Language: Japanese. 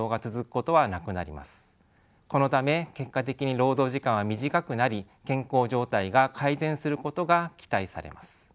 このため結果的に労働時間は短くなり健康状態が改善することが期待されます。